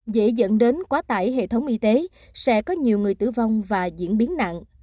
dễ dẫn đến quá tải hệ thống y tế sẽ có nhiều người tử vong và diễn biến nặng